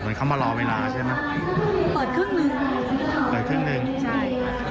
เขามารอเวลาใช่ไหมเปิดครึ่งหนึ่งเปิดครึ่งหนึ่งใช่